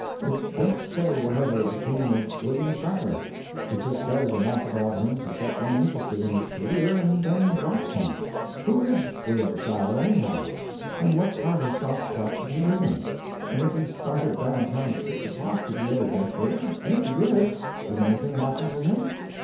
It don't say whatever became of William Schuyler. It just says enough about him to get one interested in his career, and then drops him. Who is William Schuyler, anyhow, and what part of South Park did he live in, and if he started down town at six o'clock, did he ever get there, and if he did, did anything happen to him?